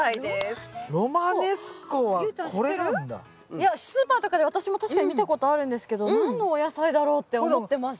いやスーパーとかで私も確かに見たことあるんですけど何のお野菜だろうって思ってました。